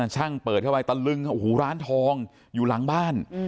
ช่างเปิดเข้าไปตะลึงโอ้โหร้านทองอยู่หลังบ้าน